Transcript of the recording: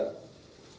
terima kasih pak